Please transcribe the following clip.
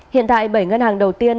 hiện tại bảy ngân hàng đầu tiên